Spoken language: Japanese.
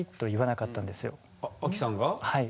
はい。